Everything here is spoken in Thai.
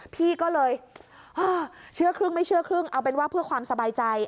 พี่ก็เลยเชื่อครึ่งไม่เชื่อครึ่งเอาเป็นว่าเพื่อความสบายใจ